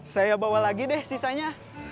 saya bawa lagi deh sisanya